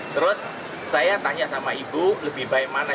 terus saya tanya sama ibu lebih baik mana